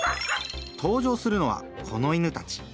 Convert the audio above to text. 登場するのはこの犬たち。